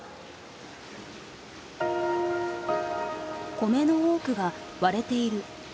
米の多くが割れている。